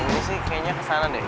ini sih kayaknya kesana deh